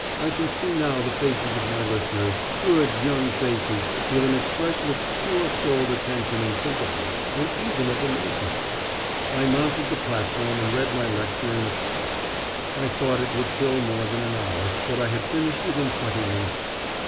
I can see now the faces of my listeners good young faces, with an expression of pure souled attention and sympathy, and even of amazement. I mounted the platform and read my lecture in a fever; I thought it would fill more than an hour, but I had finished it in twenty minutes.